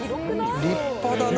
立派だな。